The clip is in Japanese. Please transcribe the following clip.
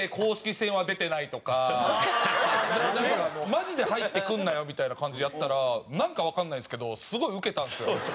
「マジで入ってくんなよ？」みたいな感じでやったらなんかわかんないんですけどすごいウケたんですよ。